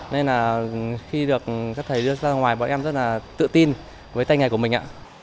nên là khi được các thầy đưa ra ngoài bọn em rất là tự tin với tay nghề của mình